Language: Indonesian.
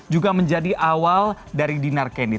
dua ribu tujuh belas juga menjadi awal dari dinar kendi